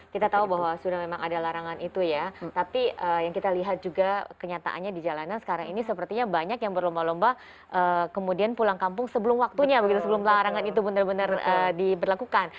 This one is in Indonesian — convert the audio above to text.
kita tahu bahwa sudah memang ada larangan itu ya tapi yang kita lihat juga kenyataannya di jalanan sekarang ini sepertinya banyak yang berlomba lomba kemudian pulang kampung sebelum waktunya begitu sebelum pelarangan itu benar benar diberlakukan